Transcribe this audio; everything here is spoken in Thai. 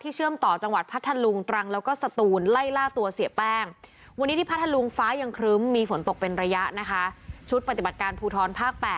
ที่เชื่อมต่อจังหวัดพัทธารุงตรังแล้วก็ศตูล